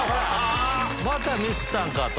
またミスったんか！と。